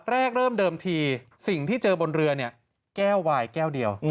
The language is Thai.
เริ่มเดิมทีสิ่งที่เจอบนเรือเนี่ยแก้ววายแก้วเดียว